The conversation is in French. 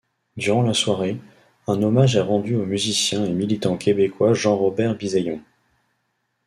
Durant la soirée, un hommage est rendu au musicien et militant québécois Jean-Robert Bisaillon.